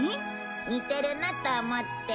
似てるなと思って。